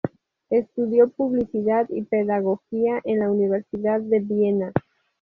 Estudió publicidad y pedagogía en la Universidad de Viena.